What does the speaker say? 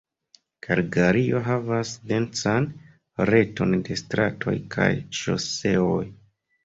Kalgario havas densan reton de stratoj kaj ŝoseoj.